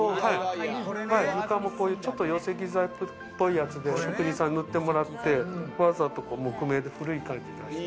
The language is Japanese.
床もこういう寄せ木細工っぽい感じで、職人さんに塗ってもらって、わざと木目で古い感じを出して。